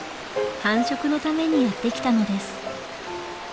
繁殖のためにやって来たのです。